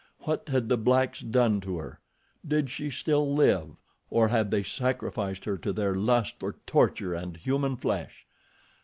What had the blacks done to her? Did she still live, or had they sacrificed her to their lust for torture and human flesh?